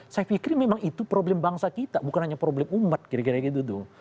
saya pikir memang itu problem bangsa kita bukan hanya problem umat kira kira gitu tuh